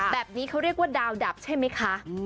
แบบนี้เขาเรียกว่าดาวดับใช่ไหมคะ